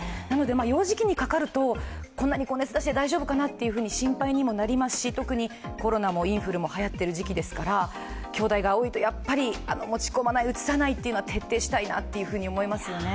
幼児期にかかるとこんなに高熱出して大丈夫かなと心配にもなりますし特にコロナもインフルもはやっている時期ですからきょうだいが多いと、やっぱり持ち込まない、うつさないというのは徹底したいなと思いますね。